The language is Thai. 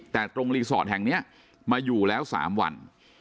แต่ตรงแห่งเนี้ยมาอยู่แล้วสามวัน